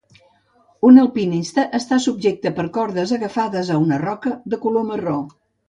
Un alpinista està subjecte per cordes agafades a una roca de color marró.